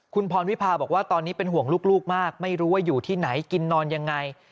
คุณพรวิพาบอกว่าตอนนี้เป็นห่วงลูกมากไม่รู้ว่าอยู่ที่ไหนกินนอนยังไง